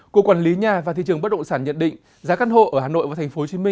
cục quản lý nhà và thị trường bất động sản nhận định giá căn hộ ở hà nội và tp hcm